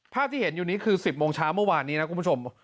ภาพที่เห็นอยู่นี้คือ๑๐โมงเช้าเมื่อวานนี้นะคุณผู้ชม